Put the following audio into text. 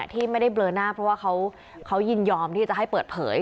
ที่ไม่ได้เบลอหน้าเพราะว่าเขายินยอมที่จะให้เปิดเผย